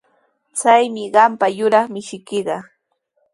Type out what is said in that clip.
Chaymi qampa yuraq mishiykiqa.